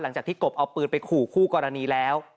หลังจากที่กบเอาปืนไปขู่คู่กรณีแล้ว